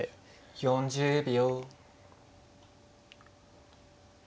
４０秒。